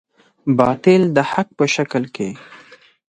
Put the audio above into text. باطل د حق په شکل کې.